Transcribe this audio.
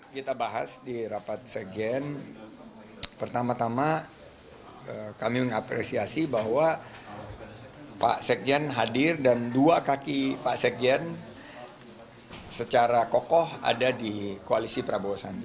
kita bahas di rapat sekjen pertama tama kami mengapresiasi bahwa pak sekjen hadir dan dua kaki pak sekjen secara kokoh ada di koalisi prabowo sandi